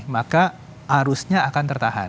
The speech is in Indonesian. maka arusnya akan tertahan